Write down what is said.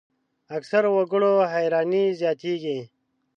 اکثرو وګړو حیراني زیاتېږي.